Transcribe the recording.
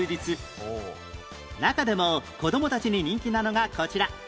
中でも子どもたちに人気なのがこちら